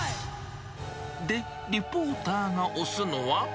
で、リポーターが推すのは。